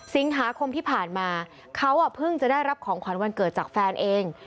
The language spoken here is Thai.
สิงหาคมที่ผ่านมาเขาเพิ่งจะได้รับของขวัญวันเกิดจากแฟนเอง